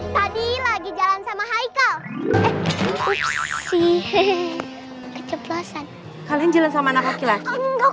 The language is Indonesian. tadi lagi jalan sama hai kau eh upsi keceplosan kalian jalan sama anak laki laki enggak